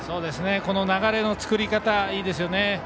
この流れの作り方いいですね。